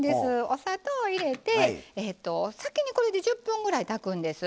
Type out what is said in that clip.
お砂糖を入れて先にこれで１０分ぐらい炊くんです。